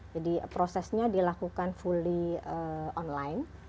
jadi prosesnya dilakukan fully online